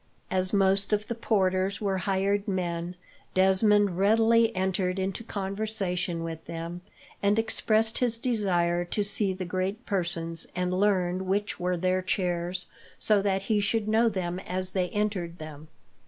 As most of the porters were hired men, Desmond readily entered into conversation with them, and expressed his desire to see the great persons and learn which were their chairs, so that he should know them as they entered them.